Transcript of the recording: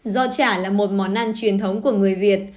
do chả là một món ăn truyền thống của người việt